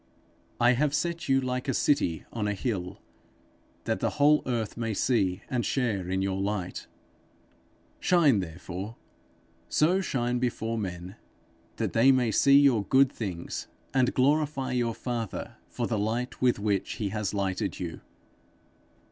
I have set you like a city on a hill, that the whole earth may see and share in your light. Shine therefore; so shine before men, that they may see your good things and glorify your father for the light with which he has lighted you.